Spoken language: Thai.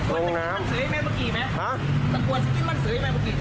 แต่ควรจะกินมันเสือให้แมวเมื่อกี้